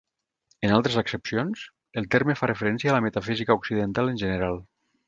En altres accepcions, el terme fa referència a la metafísica occidental en general.